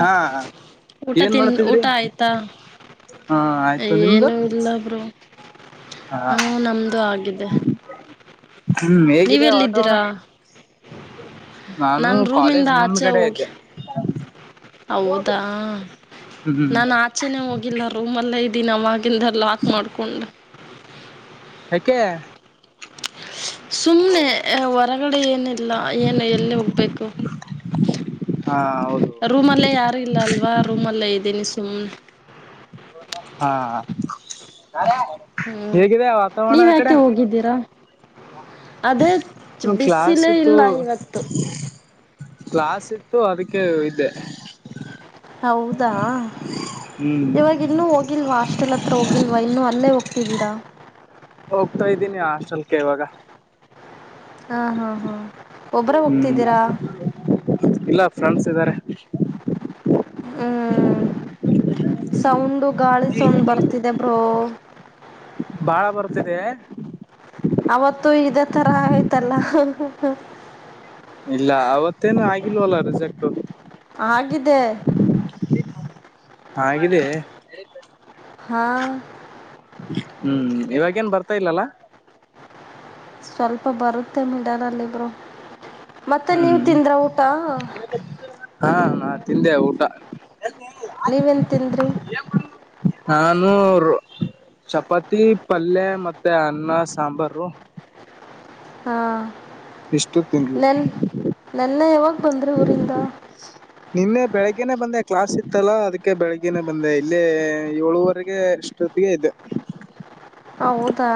ಹಾ, ಊಟ ಏನ್ ತಿನ್ ಮಾಡ್ತಿದ್ರಿ ಊಟ ಆಯ್ತಾ ಹಾ, ಹಾ ಆಯ್ತು ನಿಮ್ದು. ಹ, ನಮ್ದು ಆಗಿದೆ. - ಹ್ಮ್ ಹೇಗಿದೆ ವಾತಾವರಣ ನೀವೆಲ್ಲಿದ್ದೀರಾ,, ನಾನು ನನ್ ರೂಮಿಂದ ಕಾಲೇಜ್ ಆಚೆ ಮುಂದ್ಗಡೆ ಹೋಗಿ ಇದ್ದೆ ಹೌದಾ, ಹ್ಮ್ ನಾನು ಆಚೆನೆೇ ಹೋಗಿಲ್ಲ ರೂಮ್ನಲ್ಲೇ ಇದ ದಿನಿ ಅವಾಗಿಂದ ಲಾಕ್ ಮಾಡ್ಕೊಂಡು. ಯಾಕ್ಕೆೆ? ಸುಮ್ಮ್ನೆ, ಹೊರಗಡೆ ಏನಿಲ್ಲ ಏನು ಎಲ್ಲಿ ಹೋಗ್ಬೇಕು. ಹಾ,, ಹೌದು ರೂಮಲ್ಲೇ ಯಾರು ಇಲ್ಲ ಅಲ್ವಾ ರೂಮ್ನಲ್ಲೇ ಇದ್ದೀನಿ ಸುಮ್ನೆ. ಹಾ, ಹಾ, ಹ್ಞೂ - ಹೇಗಿದೆ ವಾತಾವರಣ ಆ ಕಡೆ. ನೀವ್ಯಾಕೆ ಹೋಗಿದ್ದೀರಾ ಅದೇ ಕ್ಲಸ್ ಬಿಸಿಲೇ [unintelligible] ಇಲ್ಲ ಇವತ್ತು ಕ್ಲಾಸ್ ಇತ್ತು ಅದಕ್ಕೆ ಇದ್ದೆ. - ಹೌದಾ ಹ್ಮ್ ಇವಾಗ ಇನ್ನು ಹೋಗಿಲ್ವಾ ಹಾಸ್ಟೆಲ್ ಹತ್ರೋಗಿಲ್ವಾ ಇನ್ನೂ ಅಲ್ಲೇ ಹೋಗ್ತಿದ್ದೀರಾ, ಹೋಗ್ತಾ ಇದ್ದೀನಿ ಹಾಸ್ಟೆಲ್ಕೆ ಇವಾಗ. - ಹಾ ಹ್ಮ ಹ್ಮ್ ಒಬ್ಬ್ರ ಹ್ಮ್ ಹೋಗ್ತಿದ್ದೀರಾ ಇಲ್ಲ ಫ್ರೆಂಡ್ಸ್ ಇದ್ದಾರೆ ಹ್ಮ್ ಸೌಂಡು ಗಾಳ ಸೊಂಡ್ ಬರ್ತಿದೆ ಬ್ರೋ ಭಾಳ ಬರುತ್ತಿದೆ ಅವತ್ತು ಇದೇ ತರ ಆಗಯ್ತಲ್ಲ ಇಲ್ಲ ಅವತ್ತೇನು ಆಗಿಲ್ವ ಅಲ್ಲ ರಿಸೆಕ್ಟ ಹಾಗಿದ್ದ ಹಾಗಿದ್ದ ಹಾ ಹ್ಮ್ ಇವಾಗೇನ್ ಬರ್ತಾ ಇಲ್ಲಲ್ಲ ಸ್ವಲ್ಪ ಬರುತ್ತೆ ಮಿಡರಲ್ಲಿಬ್ರು ಮತ್ತೆ ನೀವು ಹ್ಮ್ ತಿಂದ್ರ ಊಟ ಹಾ ನಾ ತಿಂದೆ ಊಟ ನೀವೇನ್ ತಿಂದ್ರಿ ನಾನು ಚಪಾತಿ ಪಲ್ಯ ಮತ್ತೆ ಅನ್ನ ಸಾಂಬಾರ ಹಾ ತಿಂದ್ವಿ ನೆನ್ ನೆನ್ನ ಯಾವಾಗ ಬಂದ್ರಿ ಊರಿಂದ ಬೆಳಗ್ಗನೆೇ ಬಂದೆ ಕ್ಲಾಸ್ ಇತ್ತಲ್ಲ ಅದಕ್ಕೆ ಬೆಳಗ್ಗೆನೆ ಬಂದೆ ಇಲ್ಲಿ ಏಳುವರೆಗೆ ಎಷ್ಟೊತ್ತಿಗೆ ಇದೆ ಹೌದಾ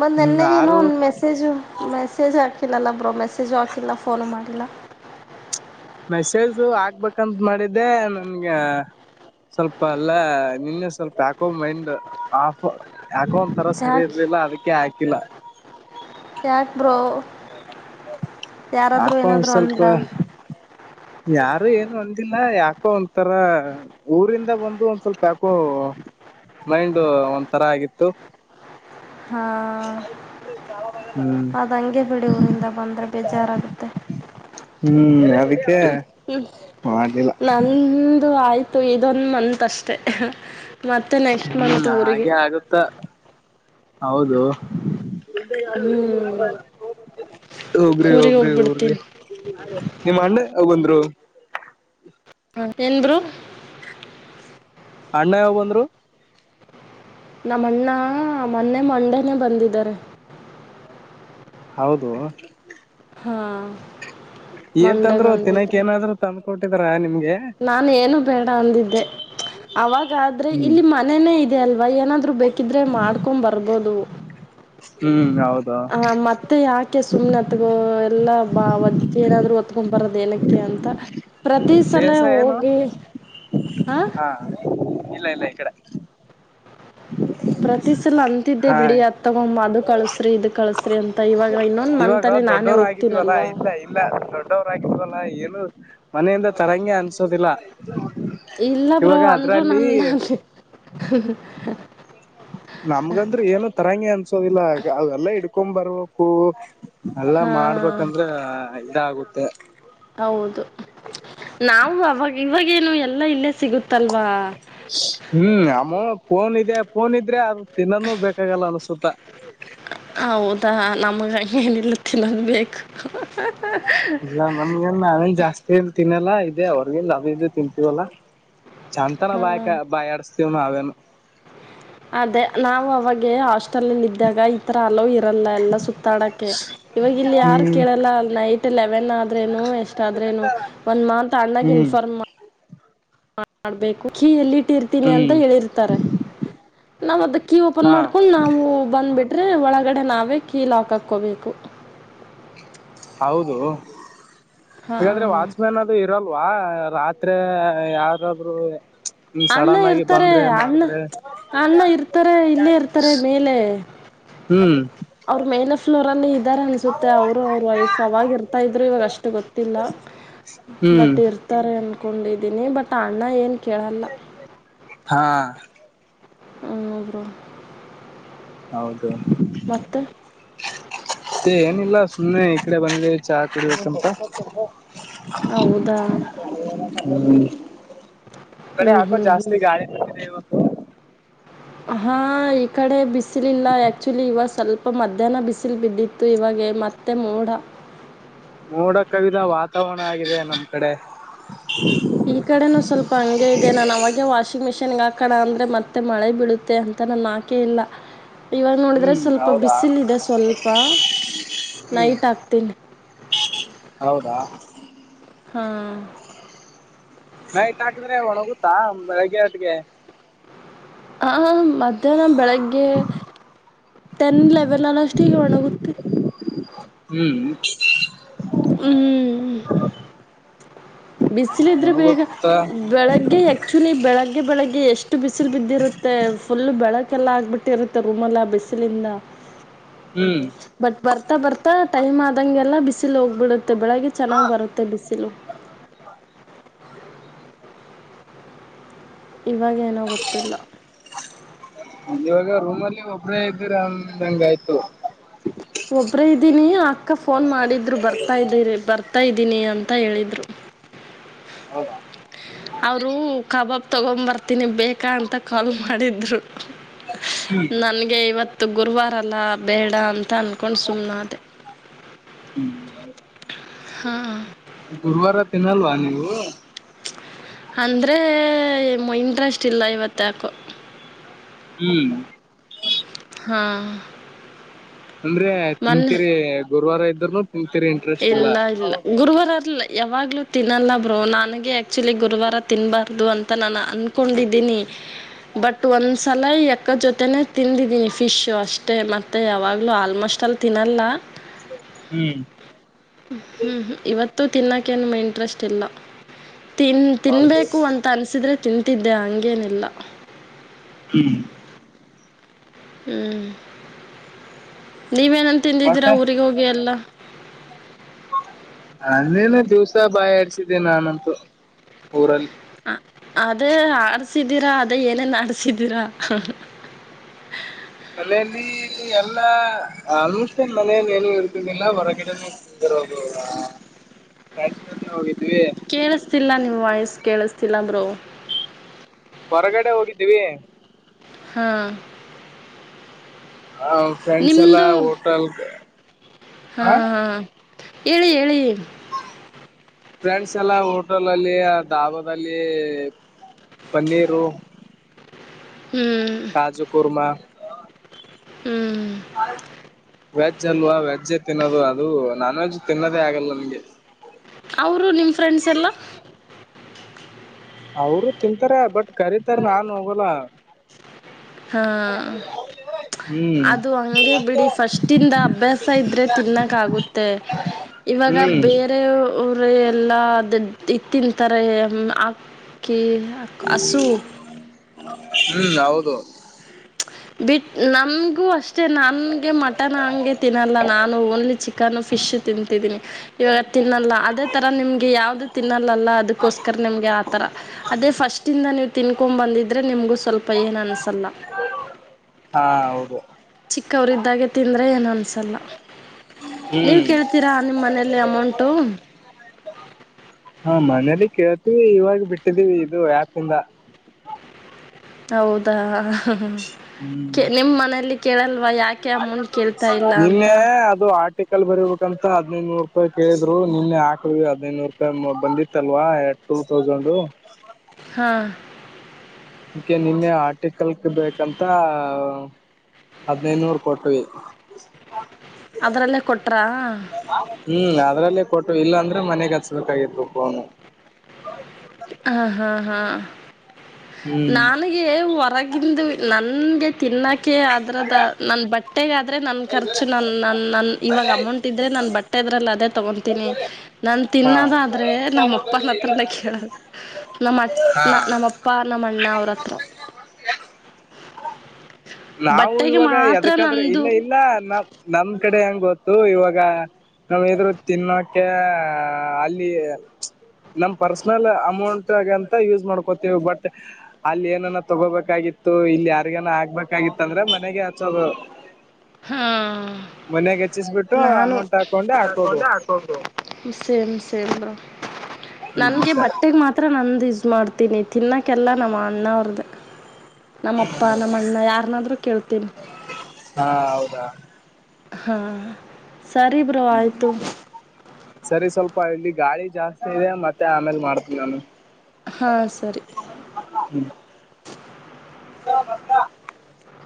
ಮತ್ತ್ ಹ್ಮ್ ನೆನ್ನೆ ಏನು ಒಂದ ಆರೂರ್ ಮೆಸೇಜು ಮೆಸೇಜ್ ಹಾಕಿಲ್ಲಲ್ಲ ಒಬ್ಬರು ಮೆಸೇಜು ಹಾಕಿಲ್ಲ ಫೋನು ಮಾಡಿಲ್ಲ ಮೆಸೇಜ ಆಗ್ಬೇಕಂತ ಮಾಡಿದ್ದೆ ನನ್ಗ ಸ್ವಲ್ಪ ಎಲ್ಲಾ ನಿನ್ನೆ ಸ್ವಲ್ಪ ಯಾಕೋ ಮೈಂಡ್ ಆಫ್ ಯಾಕೊ ಒ ತರ ಸರಿ ಯಾಕೆ ಇರ್ಲಿಲ್ಲ ಅದಕ್ಕೆ ಹಾಕಿಲ್ಲ ಬ್ರೋ ಯಾರಾದರೂ ಆಕ ಏನಾದರೂ ಸ್ವಲ್ಪ ಅಂದ್ರಾ ಯಾರು ಏನು ಒಂದಿಲ್ಲ ಯಾಕೋ ಒಂತರ ಊರಿಂದ ಬಂದು ಒಂದ್ ಸ್ವಲ್ಪ ಯಾಕೋ ಮೈಂಡ್ ಒಂದ ತರ ಆಗಿತ್ತು ಹಾ ಚ ಅದು ಹಂಗೆ ಬಿಡಿ ಊರಿಂದ ಬಂದರೆ ಬೇಜಾರಾಗುತ್ತೆ ಹ್ಮ್ ಹಾಗ ನಂದು ಆಯ್ತು ಇದೊಂದು ಮಂತ್ ಅಷ್ಟೆ ಮತ್ತು ನೆಕ್ಸ್ಟ್ ಹ್ಮ್ ಮಂತ್ ಊರಿಗೆ ಹಾಗೆ ಆಗುತ್ತ ಹೌದು ಹ್ಞೂ ಹೋಗ್ರಿ ಊರಿಗೆ ಹೋಗ್ರಿ ಊರ್ಗಿ ಹೋಗ್ಬಿಡ್ತೀನಿ ನೀಮ್ ಅಣ್ಣೆ ಹಂದರು ಹ ಎಂದರು ಅಣ್ಣ ಯಾವಂದ್ರು ನಮ್ಮಣ್ಣ ಮೊನ್ನೆ ಮಂಡನೆೇ ಬಂದಿದ್ದಾರೆ ಹೌದು ಹಾಂ ಮಂಡೇ ಏನ್ಂತಂದ್ರು ತಿನಾಕ್ ಏನಾದ್ರು ತಂದ್ಕ ಕೊಟ್ಟಿದ್ರ ನಿಮ್ಗೆ ನಾ ಏನು ಬೇಡ ಅಂದಿದ್ದೆ ಅವಾಗಾದ್ರೆ ಹ್ಮ್ ಇಲ್ಲಿ ಮನೇನೇ ಇೆಯ ಅಲ್ವಾ ಅವ ಏನಾದ್ರು ಬೇಕಿದ್ರೆ ಮಾಡ್ಕೊಂಡ್ ಬರ್ಬೋದು ಹ್ಮ್ ಹೌದು ಹ ಮತ್ತೆ ಯಾಕೆ ಸುಮ್ನೆ ಹತ್ಗೋ ಎಲ್ಲಾ ಬಾಜ್ಜ ಏನಾದ್ರು ಒತ್ಕೊ್ ಬರದ ಏಕ್ಕೆ ಅಂತ ಪ್ರತಿ ಸಲ ಬೇಸ ಏನು ಹೋಗಿ ಹಾ ಇಲ್ಲ ಇಲ್ಲ ಈ ಕಡೆ ಹ್ಮ ಪ್ರತಿ ಸಲ ಅಂತಿದ್ದೆ ಬಿಡಿ ಅತ್ತಗಮ್ಮ ಅದು ಕಳಸ್ರಿ ಇದ ಕಳಸ್ರಿ ಅಂತ ಇವಾಗ ಇನ್ನೊಂದ್ ಮಂತ್ ಅಲ್ಲಿ ನ ದೊಡ್ಡವರು ಆಗಿದ್ವಲ್ಲಾ ಇಲ್ಲ ಇಲ್ಲ ದೊಡ್ಡವರು ಆಾಗಿದ್ವಲ್ಲ ಮನೆಯಿಂದ ತರಂಗಗೆ ಅನ್ಸೋದಿಲ್ಲ ಇಲ್ಲ ಬ್ರೋ ಇವಾಗ ಅಂದ್ರು ಅದ್ರಲ್ಲಿ ನಂದ ನಮ್ಗಂದ್ರ ಏನು ತರಂಗಿ ಅನ್ಸೋದಿಲ್ಲ ಅವೆಲ್ಲ ಇಡ್ಕೊ ಬರ್ಬೇಕು ಅಲ್ಲಾ ಹಾಂ ಮಾಡ್ಬೇಕಂದ್ರೆ ಇದಾಗುತ್ತೆ ಹೌದು ನಾವು ಅವಾಗ ಇವಾಗೇನು ಎಲ್ಲಾ ಇಲ್ಲೇ ಸಿಗುತ್ತಲ್ವಾ ಹ್ಮ್ ಅಮ್ಮ ಫೋನ್ ಇದೆ ಫೋನ್ ಇದ್ರೆ ಅದು ತಿನ್ನಾನ ಬೇಕಾಗಲ್ಲ ಅನ್ಸುತ್ತಾ ಹೌ ಹೌದಾ ನಮಗ ಏನಿಲ್ಲ ತಿನ್ನೋದು ಬೇಕು ಇಲ್ಲ ನಮ್ಗೆ ನಾವೇನ್ ಜಾಸ್ತಿ ಎ ತಿನ್ನ ಲ್ಲಾ ಇದೆ ಅವ್ರಗಿ ಅ ಇದು ತಿಂತೀವಲ್ಲಾ ಚಂತನ ಹಾ ಬಾಯಕ ಬಾಯ ಆಡಸ್ತೀವ್ ನಾವೆಲ್ಲ ಹ ಅದೇ ನಾವು ಅವಾಗ ಅಷ್ಟ ನಿದ್ದಾಗ ಈ ತರ ಹಲೋ ಇರಲ್ಲ ಎಲ್ಲ ಸುತ್ತಾಡಕ್ಕೆ ಇವಾಗ ಇಲ್ಲಿ ಯಾರು ಹ್ಮ್ ಕೇಳಲ್ಲ ನೈಟ್ಲ್ಲಿ ಸೆವೆನ್ ಆದ್ರೇನು ಎಷ್ಟ ಆದ್ರೇನು ಒಂದ್ ಮಂತ್ ಅಣ್ಣಾಗ ಹ್ಮ್ ಇನ್ಫಾರ್ಮ್ ಮಾಡ ಮಾಡ್ಬೇಕು ಲ್ಲಿ ಇಟ್ಟ ಇರ್ತೀನಿ ಅಂತ ಹ್ಮ್ ಹೇಳಿರ್ತಾರೆ ನಾವ್ ಅದ ಕೀ ಓಪನ್ ಹಾ ಮಾಡ್ಕೊಂಡ್ ನಾವು ಬಂದ್ಬಟ್ಟ ಆದರೆ ಒಳಗಡೆ ನಾವೇ ಕೀ ಲಾಕ್ ಹಾಕ್ಕೋಬೇಕು ಹಾ ಹ್ರೆ ವ ಇಲ್ವಾ ರಾತ್ರಿ ಯಾರಾದ್ರರು ಹ್ಮ ಸಡನ್ ಆಗಿ ಬಂದ್ರೆ ಮಾಡಿದ್ರೆ ಅ್ಣ ಇರ್ತಾರೆ ಇಲ್ಲೇ ಇರ್ತಾರೆ ಮೇಲೆ ಹ್ಮ್ ಅವರು ಮೇನ್ ಫ್ಲೋರ್ ಅಲ್ಲಿ ಇದ ಇದಾರೆ ಅನ್ಸುತ್ತೆ ಅವ್ರು ಅವ್ರ ವೈಫ್ ಅವಾಗ ಇರ್ತಾ ಇದ್ರು ಇವಾಗ ಅಷ್ಟು ಗೊತ್ತಿಲ್ಲ ಹ್ಮ್ ಬಟ್ ಇರ್ತಾರೆ ಅನ್ಕೊಂಡಿದೀನಿ ಬಟ್ ಅಣ್ಣ ಏನ್ ಹಾ ಹ ಬ್ರೋ ಹೌದು ಮತ್ತೆ ಮತ್ತೆ ಏನಿಲ್ಲ ಸುಮ್ಮ್ನೆ ಇಡೆ ಬಂದ್ವಿ ಚಾ ಕುಡಿಯುವ ಸ್ಪ ಹೌದಾ ಕಡೆ ಹ್ಞೂ ಯಾಕೋ ಹ್ಞೂ ಹ್ಞೂ ಜಾಸ್ತಿ ಗಾಳಿ ಹಿದೆ ಇವ ಹಾ ಈ ಕಡೆ ಬಿಸಿಲಿಲ್ಲ ಆಕ್ಚುಲಿ ಇವ ಸ್ವಲ್ಪ ಪಪ್ಪ ಮಧ್ಯಾಹ್ನ ಬಿಸಿಲು ಬಿದ್ದಿತ್ತು ಇವಾಗ ಮತ್ತೆ ಮೋಡ ಮೋಡ ಕವಿದ ವಾತಾವರಣ ಆಗಿದೆ ನಮ್ ಕಡೆ ಈ ಕಡೆನು ಸ್ವಲ್ಪ ಹಂಗೆ ಇದೆ ನಾನನ್ ಅವಾಗೆ ವಾಷಿಂಗ್ ಮಿಷಿನ್ ಚೆನ್ಗಾಕಣ ಅಂದ್ರೆ ಮತ್ತೆ ಮಳೆ ಬೀಳುತ್ತೆ ಅಂತ ನನ್ ಆಕೆ ಇಲ್ಲ ಇವಾಗ ನೋಡಿದ್ರೆ ಹ್ಮ್ ಸ್ವಲ್ಪ ಹೌದಾ ಬಿಸಿಲ್ ಇದೆ ಸ್ವಲ್ಪ ಹ್ಮ್ ನೈಟ್ ಆಗ್ತೀನಿ ಹೌದಾ ಹಾಂ ನೈಟ್ ಹಾಕಿದ್ರೆ ಒಣೋಗುತ್ತಾ ಬೆಳಗ್ಗೆ ಹೊಟ್ಗೆ ಹ ಮಧ್ಯಾಹ್ನ ಬೆಳಿಗ್ಗೆ ಟೆನ್ ಲೆವೆಲ್ ಅಲ್ಲ ಅಷ್ಟ ನಳಗುತ್ತ ಹ್ಮ್ ಹ್ಮ್ ಬಿಸಿಲ ಇದ್ರೆ ಬೇಗ ಒಣಗುತ್ತಾ ಬೆಳಗ್ಗೆ ಆಕ್ಚುಲಿ ಬೆಳಗ್ಗೆ ಬೆಳಗ್ಗೆ ಎಷ್ಟು ಇಷ್ಟು ಬಿಸಿಲು ಬಿದ್ದಿರುತ್ತೆ ಫುಲ್ ಬೆಳಕೆಲ್ಲ ಆಗ್ಬಿಟ್ಟಿ ಇರುತ್ತೆ ರೂಮ್ಲ್ಲ ಬಿಸಿಲಿಂದ ಹ್ಮ್ ಬಟ್ ಬರ್ತಾ ಬರ್ತಾ ಟೈಮ್ ಆದಂಗೆ ಎಲ್ಲ ಬಿಸಿಲ್ ಹೋಗ್ಬಿಡುತ್ತ ಮತ್ತ ಬೆಳಗ್ಗೆ ಚೆನ್ನಾಗಿ್ ಬರುತ್ತೆ ಬಿಸಿಲು ಇವಾಗೇನೋ ಗೊತ್ತಿಲ್ಲ ಇವಾಗ ರೂಮ್ಲ್ಲಿ ಒಬರೇ ಇದ್ದೀರಂಗಯ್ತು ಒಬ್ಬರೇ ಇದ್ದೀನಿ ಅಕ್ಕ ಫೋನ್ ಮಾಡಿದ್ರು ಬರ್ತಾ್ದೀರಿ ಬರ್ತಾ ಇದ್ದೀನಿ ಅಂತ ಹೇಳಿದ್ರು. ಹೌದ ಅವರುೂ ಕಬಾಬ್ ತಗೊಂಡ ಬರ್ತೀನಿ ಬೇಕಾ ಅಂತ ಕಾಲ್ ಮಾಡಿದ್ರು. ಹ್ಮ್ ನನ್ಗೆ ಇವತ್ತು ಗುರುವಾರಲ್ಲ. ಬೇಡ ಅಂತ ಅಂದಕೊಂಡು ಸುಮ್ಮ್ನೆದೆ. ಹಾ ಗುರುವಾರ ತಿನಲ್ವಾ ನೀವು. ಅಂದರೆ ಇಂಟ್ರೆಸ್ಟ್ ಇಲ್ಲ ಇವತ್ತ ಯಾಕೋ. ಹ್ಮ್ ಹಾಂ ಅಂದ್ರೆ ಮೊನ್ನೆ ತಿಂತೀರಿ ಗುರುವಾರ ಇದ್ದ್ರನು. ಇಲ್ಲ ಇಲ್ಲ ಗುರುವರುವಾರ ಅರ್ಲ್ಲ ಯಾವಾಗಲೂ ತಿನ್ನಲ್ಲ ಬ್ರೋ ನನಗೆ ಆ್ಯಕ್ಚುಲಿ ಗುರುವಾರ ತಿನ್ನಬಾರ್ದು ಅಂತ ನಾನು ಅಂದ್ಕೊಂಡಿದ್ದೀನಿ. ಬಟ್ ಒಂ ಸಲ ಎಕ್ಕ ಜೊತೆನೆೇ ತಿಂದಿದೀನಿ ಫಿಶ್ ಅಷ್ಟೇ ಮತ್ತೆ ಯಾವಾಗ್ಲೂ ಆಲ್ಮೋಸ್ಟ್ ಆಲ್ ತಿನ್ನಲ್ಲ. ಹ್ಮ್ ಹ್ಮ್ ಇವತ್ತು ತಿನ್ನಕೆನುಮ ಇಂಟ್ರೆಸ್ಟ್ ಇಲ್ಲ. ತಿನ್ ಹೌದು ತಿನ್ಬೇಕು ಅಂತ ಅನ್ಸಿದ್ರೆ ತಿಂತಿದ್ದೆ ಹಂಗೇನೀಲ್ಲ ಹ್ಮ್ ಹ್ಮ್ ನೀವೇನನ್ ತಿಂದಿದ್ದೀರಾ ಮತ್ತೆ ಊರಿಗೆ ಹೋಗಿ ಎಲ್ಲ. ನನ್ನೇನು ದಿವ್ಸ ಬಾಯ ಆಡ್ಸಿದ್ದೆ ನಾನಂತೂ ಊರಲ್ಲಿ. ಅದೇ ಆಡ್ಸಿದ್ದೀರಾ ಅದೇ ಏನನ್ ಆಡ್ಸಿದ್ದೀರಾ. ಮನೆಯಲ್ಲಿ ಎಲ್ಲ ಆಲ್ಮೋಸ್ಟ್ ಆಲ್ ಮನೆಯಲ್ಲಿ ಏನು ಇತ್ತಿರ್ಲಿಲ್ಲ ಹೊರಗಡೆನೆ ತಿನ್ [unintelligible] ಕೇಳಿಸತಿಲ್ಲ ನಿಮ್ಮ್ ವಯಸ್ಸ ಕೇಳಿಸತಿಲ್ಲ ಬ್ರೋ ಹೊರಗಡೆ ಹೋಗಿದ್ವಿ. ಹಾ ಆ ಫ್ರೆಂಡ್ಸ್ ಎಲ್ಲ ನಿಮ್ದು ಹೋಟಲ್ ಕ್ ಹಾ ಹಾ ಹೇಳಿ ಹೇಳಿ. ಫ್ರೆಂಡ್ಸ್ ಎಲ್ಲ ಹೋಟೆಲ್ ಅಲ್ಲಿ ಡಾಬಾದಲ್ಲಿ. ಪನ್ನೀರು ಹ್ಞೂ ಕಾಜು ಕುರ್ಮಾ ಹ್ಞೂ [inaudible] ವೆಜ್ ಅಲ್ವಾ ವೆಜ್ಜೇ ತಿನ್ನೋದು ಅದು ನಾನ್ ವೆಜ್ ತಿನ್ನೋದೇ ಆಗಲ್ಲ ನಿಮಗೆ ಅವ್ರು ನಿಮ್ಮ ಫ್ರೆಂಡ್ಸ್ ಎಲ್ಲ. ಅವರು ತಿಂತಾರ ಬಟ್ ಕರಿತಾರ ನಾನ್ ಹೋಗಲ್ಲ. ಹಾ ಹ್ಮ್ ಅದು ಹಂಗೆ ಬಿಡಿ ಫಸ್ಟ್ ಇಿಂದ ಅಭ್ಯಾಸ ಇದ್ರೆ ತಿನ್ನಕ್ಕ ಆಗುತ್ತೆ. ಇವಾಗ ಹ್ಮ್ ಬೇರೆ ಊರ ಎಲ್ಲದ್ ಇದ್ ತಿಂತಾರೆ ಆಕ್ಕಿ ಹಸು. ಹ್ಮ್ ಹೌದು ಬಿಟ್ ನಮಗೂ ಅಷ್ಟೇ. ಅಷ್ಟೆ ನನಗೆ ಮಟನ್ ಹಂಗೆ ತಿನ್ನಲ್ಲ ನಾನು ಓನ್ಲಿ ಚಿಕನ್ ಫಿಶು ತಿಂತಿದ್ದೀನಿ ಇವಾಗ ತಿನ್ನಲ್ಲ ಅದೇ ತರ ನಿಮಗೆ ಯಾವ್ದು ತಿನ್ನಲ್ಲಲ್ಲ ಅದಕೋಸ್ಕರ ನಿಮ್ಗೆ ಆತರ ಅದೇ ಫಸ್ಟ್ಂದ ನೀವು ತಿನ್ [unintelligible] ಬಂದಿದ್ರೆ ನಿಮಗೂ ಸ್ವಲ್ಪ ಏನು ಅನಿಸಲ್ಲ. ಹಾ ಹೌದು ಚಿಕ್ಕವ್ರ್ದಾಗೆ ತಿಂದ್ರೆ ಏನ್ ಅನ್ಸಲ್ಲ. ನೀವ್ ಹ್ಮ್ ಕೇಳ್ತೀರಾ ನಿಮ್ಮ ಮನೇೆಯಲ್ಲಿ ಅಮೌಂಟು. ಇಲ್ಲಿ ಕೇಳ್ತೀವಿ ಇವಾಗ ಬಿಟ್ಟಿದೀವಿ ಇದು ಆಪ್ ಇಂದ. ಹೌದಾ ಹ್ಮ್ ನಿಮ್ ಮನೇೆಯಲ್ಲಿ ಕೇಳಲ್ ನಿನ್ನೆ ಅದು ಟಿಕಲ್ ಬರಿಬೇಕಂತ ಹದಿನೈದುನೂರುಪಾಯ್ ಕೇಳಿದ್ರು ನಿನ್ನೆ ಹಾಕ್ದ್ವಿ ಹದಿನೈದುನೂರು ರೂಪಾಯಿ ಬಂದಿತ್ತಲ್ವ ಏ ಟೂ ತೌಸಂಡು. ಹಾ ಅಕೆ ನಿನ್ನೆ ಆರ್ಟಿಕಲ್ಕ್ ಬೇಕಂತಾ ಹದಿನೈದ್ನೂರು ಕೊಟ್ವಿ. ಅದ್ರಲ್ಲೇ ಕೊಟ್ರಾ ಅದರಲ್ಲೇ ಕೊಟ್ವು ಇಲ್ಲ ಅಂದ್ರೆ ಮನೆಗೆ ಹಚ್ಬೇಕಾಗಿತ್ತು ಫೋನು. ಹ್ಮ್ ನಾನ್ಗೆ ಹೊರಗಿಂದು ನನ್ಗೆ ತಿನ್ನಾ ಅದ್ರದ ನನ್ ಬಟ್ಟೆಗಾದ್ರೆ ನನ್ ಖರ್ಚು ನ ನ ನನ್ ಇವಾಗ ಅಮೌಂಟ್ ಇದ್ರೆ ನನ್ ಬಟ್ಟೆ ಅದ್ರಲ್ ಅದೇ ತಗೊನ್ ತಿನಿ ನನ್ ಹಾ ತಿನ್ನೋದಾದ್ರೆ ನಮ್ ಅಪ್ಪನ್ ಹತ್ರನೇ ಕೇಳದ್ ನಮ ಹಾ ನಮ್ಮ ಅಣ್ಣ ಅವ್ರ ಹತ್ರ [unintelligible] ನಾವು ಬಟ್ಟೆಗೆ ಇವಾಗ ಮಾತ್ರ ಯದಕ್ಕಾದ್ರೆ ನಂದು ಇಲ್ಲ ಇಲ್ಲ ನ ನಮ್ ಕಡೆ ಹೆಂಗೊ ಇವಾಗ ನಾವ್ ಏನಾದ್ರು ತಿನ್ನಕೆ ಅಲ್ಲಿ ನಮ್ ಪರ್ಸನಲ್ ಅಮೌಂಟ್ಗ ಅಂತ ಯೂಸ್ ಮಾಡ್ಕೋತೀವಿ ಬಟ್ ಅಲ್ಲಿ ಏನಾನ ತಗೋಬೇಕಾಗಿ ಇಲ್ಲಿ ಯಾರಿಗೆನ ಆಗ್ಬೇಕಾಗಿತ್ ಅಂದ್ರ ಮನೆಗೆ ಹಚ್ಚೋದು. ಹಾಂ ಮನಾಗ ಹೆಚ್ಚಿಸಬಿಟ್ಟು ಅಮೌಂಟ್ ಹಾಕೊಂಡು ಹಾಕೋದು. ಹ್ಮ್ ಸರಿ ಸರಿ ಮ ಹ್ಮ್ ನನ್ಗೆ ಸರಿ ಬಟ್ಟೆಗ್ ಮಾತ್ರ ನಂದಿ ಮಾಡ್ತೀನಿ ತಿನ್ನಕೆಲ್ಲ ನಮ್ ಅಣ್ಣಾರ್ದೇ. ನಮ್ಮಪ್ಪ ನಮ್ಮ ಅಣ್ಣ ಯಾರನಾದ್ರು ಕೇಳ್ತೀನಿ. ಹಾ ಹೌದಾ ಹಾ ಸರಿ ಬ್ರೋ ಆಯ್ತು. ಪ ಇಲ್ಲಿ ಗಾಳಿ ಜಾಸ್ತಿ ಇದೆ ಮತ್ತೆ ಆಮೇಲೆ ಮಾಡ್ತ್ನ್ ನಾನು. ಹಾಂ ಸರಿ ಹ್ಮ್ [unintelligible]